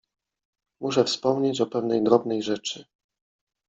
Muszę wspomnieć o pewnej drobnej rzeczy.